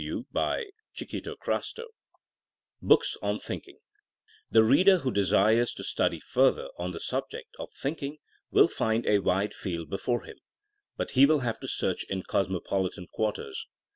*» Talks to Teachers, XI BOOKS ON THINKENG THE reader who desires to study further on the subject of thinking will find a wide field before him — ^but he will have to search in cosmopolitan quarters.